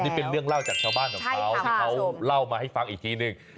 นี่เป็นเรื่องเล่าจากชาวบ้านของเขาที่เขาเล่ามาให้ฟังอีกทีหนึ่ง